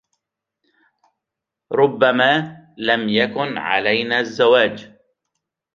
ربما لم يكن علينا الزواج.